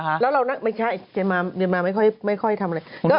เกงมาเหรอค่ะไม่ใช่เกงมาไม่ค่อยทำอะไร